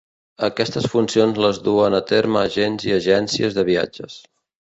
Aquestes funcions les duen a termes agents i agències de viatges.